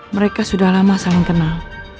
mereka sudah lama saling kenal